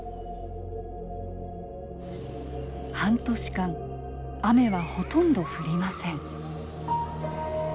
半年間雨はほとんど降りません。